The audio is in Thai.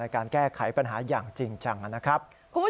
การแก้ไขปัญหาอย่างจริงจังนะครับ